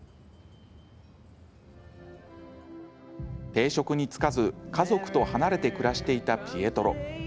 定職に就かず家族と離れて暮らしていたピエトロ。